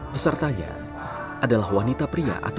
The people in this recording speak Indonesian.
besertanya adalah wanita pria